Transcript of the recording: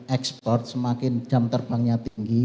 ekspor semakin jam terbangnya tinggi